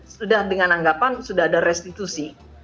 sudah dengan anggapan sudah ada restitusi